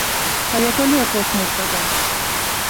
А я калі апошнюю прадам?